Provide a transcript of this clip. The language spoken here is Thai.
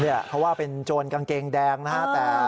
ที่นี่เขาว่าเป็นโจรกางเกงแดงนะคะแต่